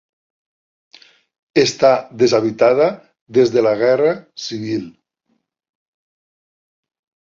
Està deshabitada des de la Guerra Civil.